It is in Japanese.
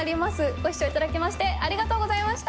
ご視聴いただきましてありがとうございました。